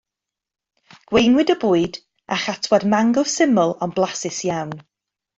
Gweinwyd y bwyd â chatwad mango syml ond blasus iawn.